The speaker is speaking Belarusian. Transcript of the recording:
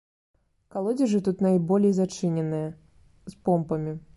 Калодзежы тут найболей зачыненыя, з помпамі.